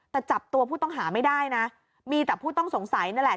แต่จับตัวผู้ต้องหาไม่ได้นะมีแต่ผู้ต้องสงสัยนั่นแหละ